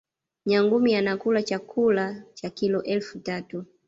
nyangumi anakula chakula cha kilo elfu tatu